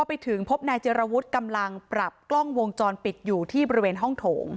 ไปถึงพบนายเจรวุฒิกำลังปรับกล้องวงจรปิดอยู่ที่บริเวณห้องโถง